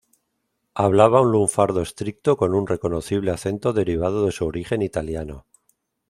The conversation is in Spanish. Hablaba un lunfardo estricto con un reconocible acento derivado de su origen italiano.